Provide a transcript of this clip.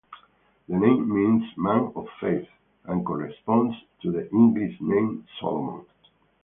The name means "man of faith" and corresponds to the English name Solomon.